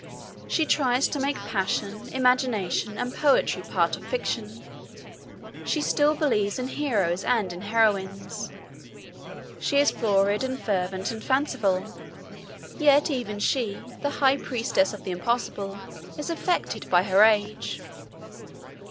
She tries to make passion, imagination, and poetry part of fiction. She still believes in heroes and in heroines. She is florid and fervent and fanciful. Yet even she, the high priestess of the impossible, is affected by her age.